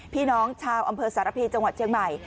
พี่น้องชาวอำเภอสารพีจังหวัดเชียงใหม่